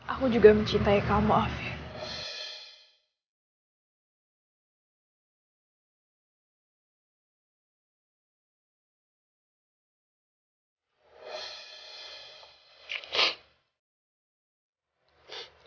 aku juga mencintai kamu afif